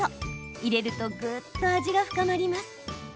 入れると、ぐっと味が深まります。